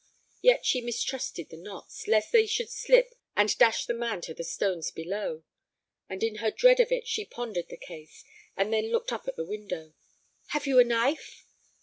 Yet she mistrusted the knots, lest they should slip and dash the man to the stones below. And in her dread of it she pondered the case, and then looked up at the window. "Have you a knife?"